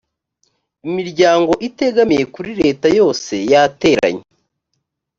imiryango itegamiye kuri leta yose yateranye